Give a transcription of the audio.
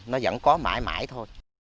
nó vẫn có mãi mãi thôi